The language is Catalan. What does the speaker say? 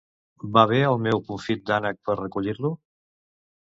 Va bé el meu confit d'ànec per recollir-lo?